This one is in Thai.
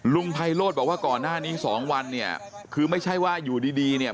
ไพโรธบอกว่าก่อนหน้านี้สองวันเนี่ยคือไม่ใช่ว่าอยู่ดีดีเนี่ย